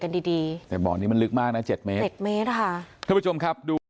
เด็กกันดีแต่บอกนี้มันลึกมากนะ๗เมตรนะคะคุณผู้ชมครับ